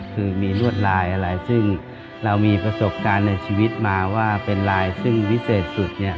คือมีรวดลายอะไรซึ่งเรามีประสบการณ์ในชีวิตมาว่าเป็นลายซึ่งวิเศษสุดเนี่ย